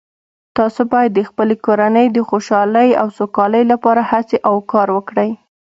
تاسو باید د خپلې کورنۍ د خوشحالۍ او سوکالۍ لپاره هڅې او کار وکړئ